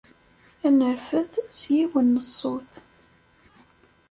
Ad nerfed s yiwen n ṣṣut.